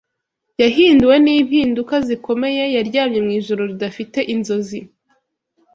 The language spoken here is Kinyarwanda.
Yahinduwe nimpinduka zikomeye Yaryamye mwijoro ridafite inzozi